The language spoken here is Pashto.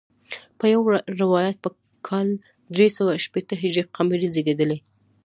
په یو روایت په کال درې سوه شپېته هجري قمري زیږېدلی.